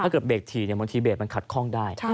ถ้าเกิดเบรกถี่เนี่ยบางทีเบรกมันขัดข้องได้ค่ะ